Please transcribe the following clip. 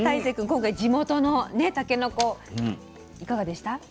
今回地元のたけのこいかがでした？